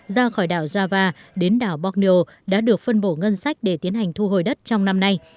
ra khỏi đảo java đến đảo borneo đã được phân bổ ngân sách để tiến hành thu hồi đất trong năm nay